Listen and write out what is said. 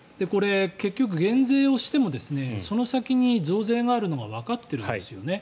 結局、減税してもその先に増税があるのがわかってるんですよね。